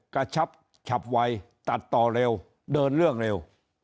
กระชับฉับไวตัดต่อเร็วเดินเรื่องเร็ว